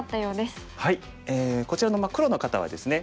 こちらの黒の方はですね